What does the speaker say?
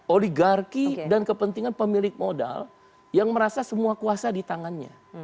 oligarki dan kepentingan pemilik modal yang merasa semua kuasa di tangannya